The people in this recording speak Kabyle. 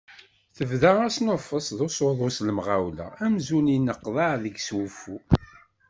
Tebda asnuffes d usuḍu s lemɣawla amzun yenneqḍaɛ deg-s wuffu.